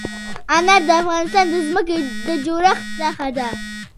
انار د افغانستان د ځمکې د جوړښت نښه ده.